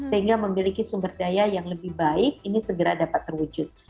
sehingga memiliki sumber daya yang lebih baik ini segera dapat terwujud